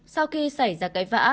sau khi xảy ra cãi vã